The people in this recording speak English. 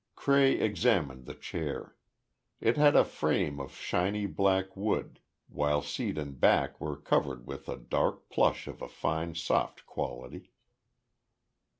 Cray examined the chair. It had a frame of shiny black wood, while seat and back were covered with a dark plush of a fine soft quality.